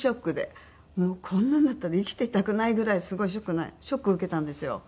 もうこんなんだったら生きていたくないぐらいすごいショックなショック受けたんですよ。